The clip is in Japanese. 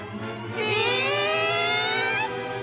え！